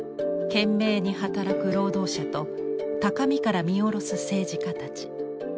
懸命に働く労働者と高みから見下ろす政治家たち。